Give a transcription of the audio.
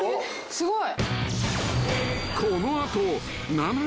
すごい。